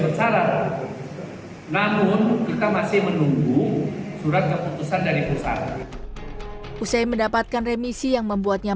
terima kasih namun kita masih menunggu surat keputusan dari pusat usai mendapatkan remisi yang membuatnya